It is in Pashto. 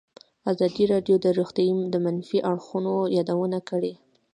ازادي راډیو د روغتیا د منفي اړخونو یادونه کړې.